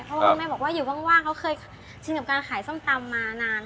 เพราะว่าคุณแม่บอกว่าอยู่ว่างเขาเคยชินกับการขายส้มตำมานาน